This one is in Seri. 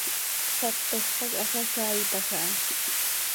Satoj pac hasasaiitaj aha.